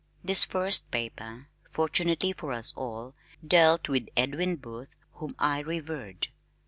This first paper, fortunately for us all, dealt with Edwin Booth, whom I revered.